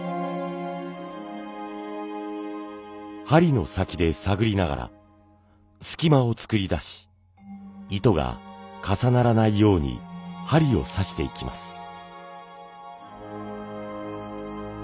針の先で探りながら隙間を作り出し糸が重ならないように針を刺していきます。